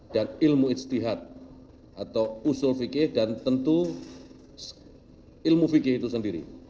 dan ilmu istihad atau usul fikir dan tentu ilmu fikir itu sendiri